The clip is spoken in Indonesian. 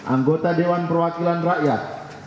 anggota dewan perwakilan rakyat dewan perwakilan daerah